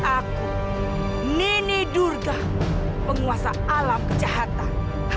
aku nenek durga penguasa alam kejahatan